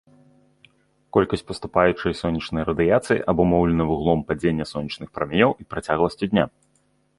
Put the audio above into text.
Колькасць паступаючай сонечнай радыяцыі абумоўлена вуглом падзення сонечных прамянёў і працягласцю дня.